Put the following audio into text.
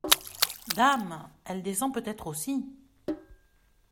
Dame ! elle descend peut-être aussi…